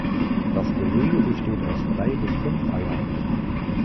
Das Gelege besteht aus drei bis fünf Eiern.